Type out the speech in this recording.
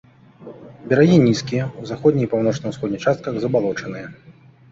Берагі нізкія, у заходняй і паўночна-ўсходняй частках забалочаныя.